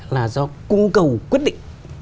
là do cung cầu quyết định